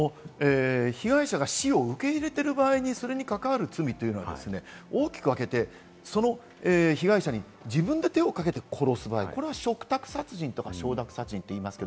被害者が死を受け入れている場合に、それに関わる罪というのはですね、大きく分けて、その被害者に自分で手をかけて殺す場合、これは嘱託殺人とか、承諾殺人といいます。